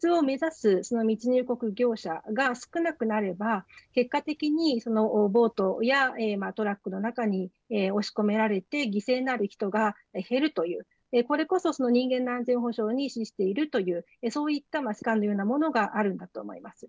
つまり、イギリスを目指す密入国業者が少なくなれば結果的に、そのボートやトラックの中に押し込められて犠牲になる人が減るというこれこそ、その人間の安全保障に資しているというそういった置換のようなものがあるんだと思います。